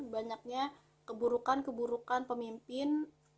banyaknya keburukan keburukan pemimpin